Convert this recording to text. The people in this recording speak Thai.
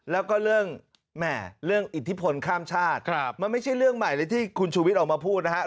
แล้วก็เรื่องอิทธิพลข้ามชาติมันไม่ใช่เรื่องใหม่เลยที่คุณชูวิทย์ออกมาพูดนะฮะ